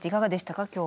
今日は。